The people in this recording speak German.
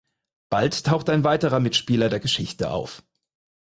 Bald taucht ein weiterer Mitspieler der Geschichte auf.